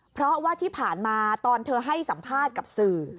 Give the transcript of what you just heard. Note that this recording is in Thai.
เพราะว่าที่ผ่านมาตอนเธอให้สัมภาษณ์กับสื่อ